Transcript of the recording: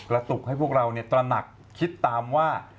ตุกให้พวกเราตระหนักคิดตามว่า